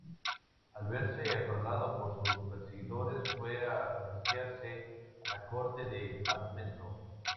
Al verse acorralado por sus perseguidores fue a refugiarse a la corte de Admeto.